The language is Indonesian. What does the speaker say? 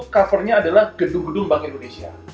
covernya adalah gedung gedung bank indonesia